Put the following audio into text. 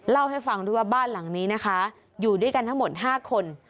เล่าให้ฟังด้วยว่าบ้านหลังนี้นะคะอยู่ด้วยกันทั้งหมด๕คน